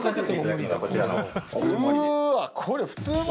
うわ！